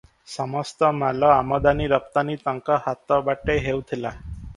ସମସ୍ତ ମାଲ ଆମଦାନି ରପ୍ତାନି ତାଙ୍କ ହାତ ବାଟେ ହେଉଥିଲା ।